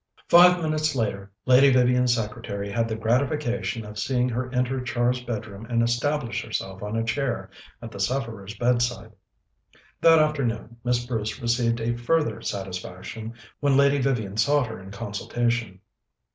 Five minutes later Lady Vivian's secretary had the gratification of seeing her enter Char's bedroom and establish herself on a chair at the sufferer's bedside. That afternoon Miss Bruce received a further satisfaction when Lady Vivian sought her in consultation.